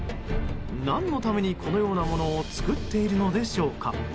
何のために、このようなものを作っているのでしょうか。